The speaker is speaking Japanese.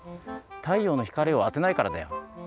太陽の光をあてないからだよ。